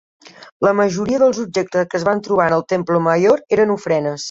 La majoria dels objectes que es van trobar al Templo Mayor eren ofrenes.